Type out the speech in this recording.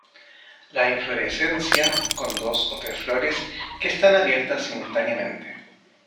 La inflorescencia con dos o tres flores que están abiertas simultáneamente.